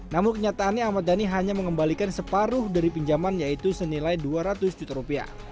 namun kenyataannya ahmad dhani hanya mengembalikan separuh dari pinjaman yaitu senilai dua ratus juta rupiah